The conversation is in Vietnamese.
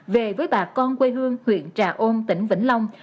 về với bà con quê hương huyện trà ôn tỉnh vĩnh long